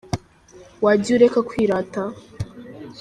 Wagiye ureka kwirata.